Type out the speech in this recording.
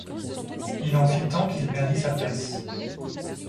Il en fit tant qu'il perdit sa place.